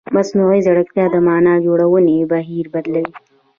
مصنوعي ځیرکتیا د معنا جوړونې بهیر بدلوي.